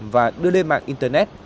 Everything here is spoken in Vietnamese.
và đưa lên mạng internet